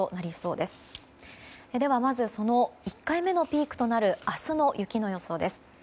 ではまず、１回目のピークとなる明日の雪の予想です。